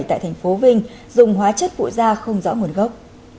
tại thành phố vinh dùng hóa chất vụ da không rõ nguồn gốc